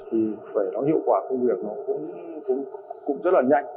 thì phải nó hiệu quả công việc nó cũng rất là nhanh